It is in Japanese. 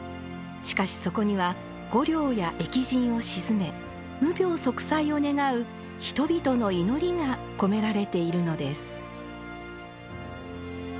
しかし、そこには御霊や疫神を鎮め無病息災を願う人々の祈りが込められているのです。